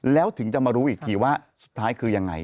แล้วถึงจะมารู้อีกทีว่าสุดท้ายคือยังไง